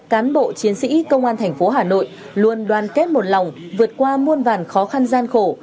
cán bộ chiến sĩ công an thành phố hà nội luôn đoàn kết một lòng vượt qua muôn vàn khó khăn gian khổ